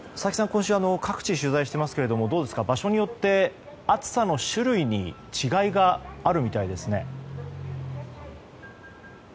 今週、各地取材していますが場所によって暑さの種類に違いがあるみたいですね。